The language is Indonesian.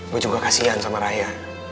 gue juga kasian sama raya